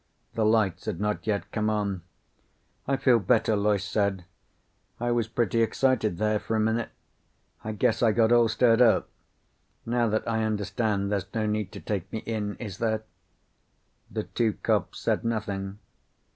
The lights had not yet come on. "I feel better," Loyce said. "I was pretty excited there, for a minute. I guess I got all stirred up. Now that I understand, there's no need to take me in, is there?" The two cops said nothing.